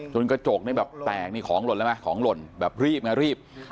กระจกนี่แบบแตกนี่ของหล่นแล้วไหมของหล่นแบบรีบไงรีบ